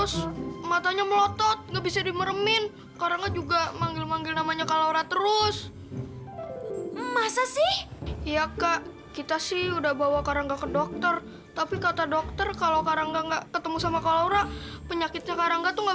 sampai jumpa di video selanjutnya